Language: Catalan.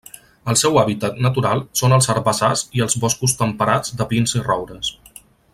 El seu hàbitat natural són els herbassars i els boscos temperats de pins i roures.